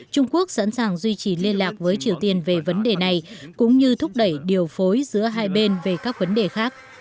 trung quốc sẵn sàng duy trì liên lạc với triều tiên về vấn đề này cũng như thúc đẩy điều phối giữa hai bên về các vấn đề khác